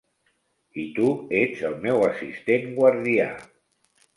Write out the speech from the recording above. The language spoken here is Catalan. I tu ets el meu assistent-guardià.